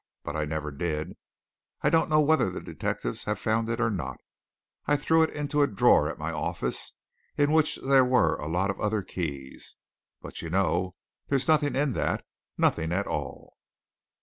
But I never did. I don't know whether the detectives have found it or not I threw it into a drawer at my office in which there are a lot of other keys. But, you know, there's nothing in that nothing at all."